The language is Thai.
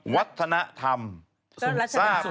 วัฒนธรรมสูงทราบ